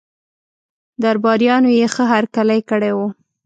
درباریانو یې ښه هرکلی کړی وو.